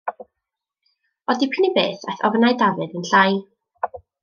O dipyn i beth, aeth ofnau Dafydd yn llai.